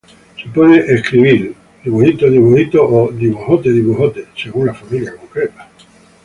Se puede escribir 臼井 o 碓井, según la familia concreta.